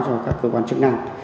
cho các cơ quan chức năng